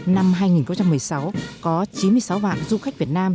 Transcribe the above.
năm hai nghìn một mươi sáu có chín mươi sáu vạn du khách việt nam